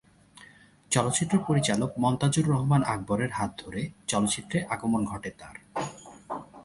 চলচ্চিত্র পরিচালক মনতাজুর রহমান আকবরের হাত ধরে চলচ্চিত্রে আগমন ঘটে তার।